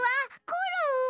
コロンは？